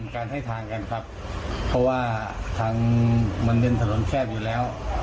การให้ทางกันครับเพราะว่าทางมันเป็นถนนแคบอยู่แล้ว